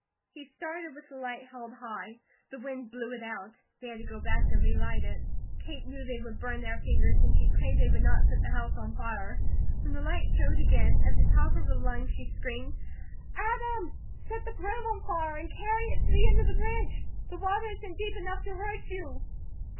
He started with the light held high. The wind blew it out. They had to go back to relight it. Kate knew they would burn their fingers, and she prayed they would not set the house on fire. When the light showed again, at the top of her lungs she screamed: "Adam, set the broom on fire and carry it to the end of the bridge; the water isn't deep enough to hurt you."